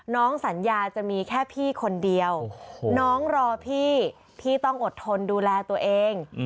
สัญญาจะมีแค่พี่คนเดียวน้องรอพี่พี่ต้องอดทนดูแลตัวเอง